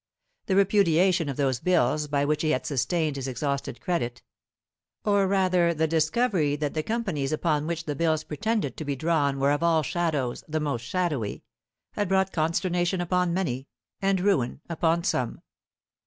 The repudiation of those bills by which he had sustained his exhausted credit, or rather the discovery that the companies upon which the bills pretended to be drawn were of all shadows the most shadowy, had brought consternation upon many, and ruin upon some.